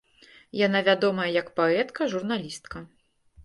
Яна вядомая як паэтка, журналістка.